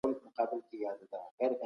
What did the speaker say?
خپله عقيده د عقل په رڼا کي عياره کړه.